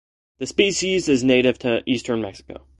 The species is native to eastern Mexico.